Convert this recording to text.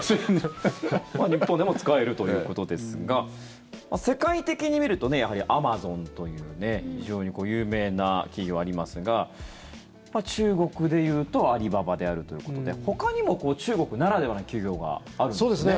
日本でも使えるということですが世界的に見るとアマゾンという非常に有名な企業がありますが中国で言うとアリババであるということでほかにも中国ならではの企業があるんですね。